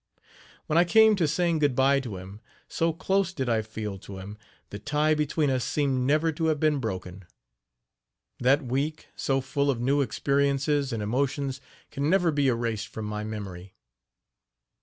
When I came to saying good bye to him, so close did I feel to him, the tie between us seemed never to have been broken. That week, so full of new experiences and emotions can never be erased from my memory.